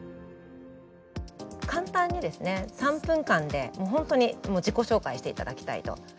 簡単にですね３分間で本当に自己紹介していただきたいと。